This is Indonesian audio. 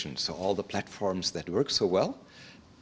jadi semua platform yang berfungsi dengan baik